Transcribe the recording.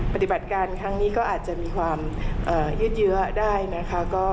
ปฏิบัติการครั้งนี้ก็อาจจะมีความยืดเยอะได้นะคะ